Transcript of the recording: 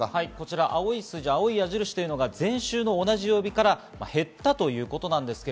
青い数字、矢印が前週の同じ曜日から減ったということです。